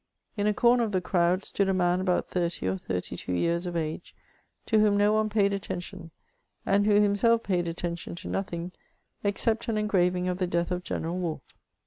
In a comer of the crowd stood a man about thirty or thirty two years of age, to whom no one paid attention, and who himself paid attention to no thing except an engraving of the deatn of Greneral Wolfe.